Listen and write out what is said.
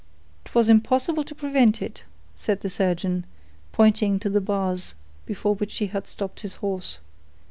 "'Twas impossible to prevent it," said the surgeon, pointing to the bars, before which he had stopped his horse.